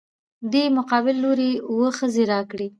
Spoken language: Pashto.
دې مقابل لورى اووه ښځې راکړي.